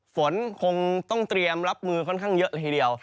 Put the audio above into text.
ฝนคงต้องเตรียมรับมือค่อนข้างเยอะเลยทีเดียว